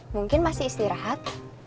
mungkin masih istirahat